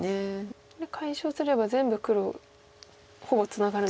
これ解消すれば全部黒ほぼツナがるんですね。